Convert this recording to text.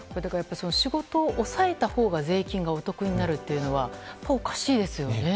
仕事を抑えたほうが税金がお得になるというのはこれはおかしいですよね。